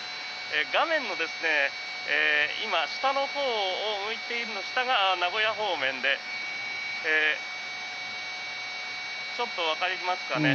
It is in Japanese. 画面の下のほうを向いているその下が名古屋方面でちょっとわかりますかね。